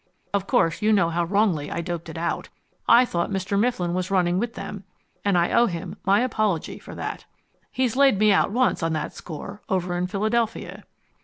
Of course you know how wrongly I doped it out. I thought Mr. Mifflin was running with them, and I owe him my apology for that. He's laid me out once on that score, over in Philadelphia."